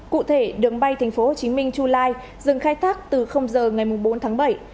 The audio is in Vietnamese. cụ thể đường bay tp hcm chu lai dừng khai thác từ giờ ngày bốn tháng bảy